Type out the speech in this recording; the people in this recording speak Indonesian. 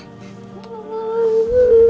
jangan takut dong